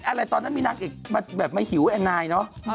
อะไรตอนนั้นมีนางเอกมาแบบมาหิวแอนนายเนอะ